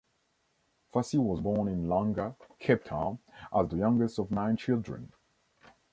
Fassie was born in Langa, Cape Town, as the youngest of nine children.